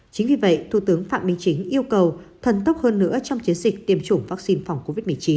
chính vì vậy thủ tướng phạm minh chính yêu cầu thần tốc hơn nữa trong chiến dịch tiêm chủng vaccine phòng covid một mươi chín